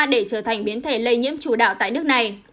để trở thành biến thể lây nhiễm chủ đạo tại nước này